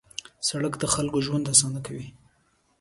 سړک د خلکو ژوند اسانه کوي.